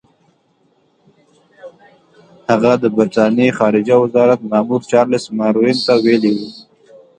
هغه د برټانیې خارجه وزارت مامور چارلس ماروین ته ویلي وو.